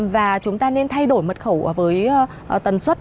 và chúng ta nên thay đổi mật khẩu với tần suất